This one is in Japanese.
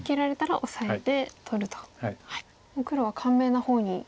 もう黒は簡明な方に。